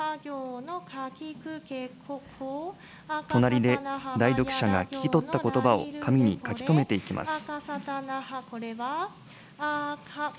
隣で代読者が聞き取ったことばを紙に書き留めていきます。